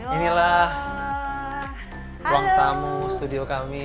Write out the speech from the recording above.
inilah ruang tamu studio kami